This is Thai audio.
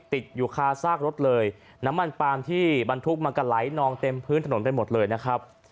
ติดอยู่คาซากรถเลยน้ำมันปาล์มที่บรรทุกมันก็ไหลนองเต็มพื้นถนนไปหมดเลยนะครับ